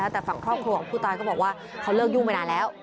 แต่ฝั่งครอบครัวของผู้ตายก็บอกว่าเขาเลิกยุ่งไปนานแล้ว